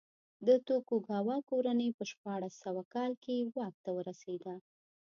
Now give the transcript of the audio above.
د توکوګاوا کورنۍ په شپاړس سوه کال کې واک ته ورسېده.